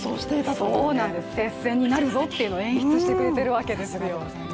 そうなんです、接戦になるぞというのを演出してくれてるわけですよ。